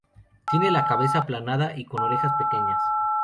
Tiene la cabeza aplanada y con orejas pequeñas.